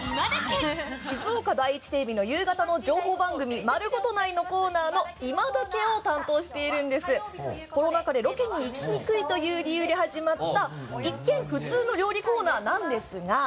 静岡第一テレビの夕方の情報番組「まるごと」内のコーナーの「いまだけ」を担当しているんですコロナ禍でロケに行きにくいという理由で始まった一見普通の料理コーナーなんですが。